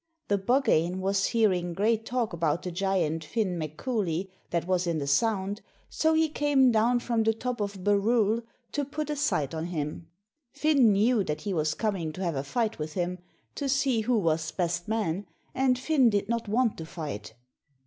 The Buggane was hearing great talk about the giant Finn MacCooilley that was in the Sound, so he came down from the top of Barrule to put a sight on him. Finn knew that he was coming to have a fight with him, to see who was best man, and Finn did not want to fight.